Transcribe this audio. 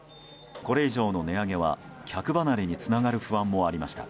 これ以上の値上げは、客離れにつながる不安もありました。